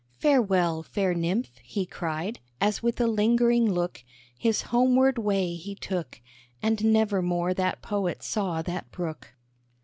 "Farewell, fair Nymph!" he cried, as with a lingering look His homeward way he took; And nevermore that Poet saw that Brook.